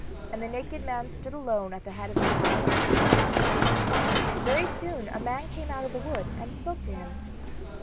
And the naked man stood alone at the head of the coffin. Very soon a man came out of the wood and spoke to him.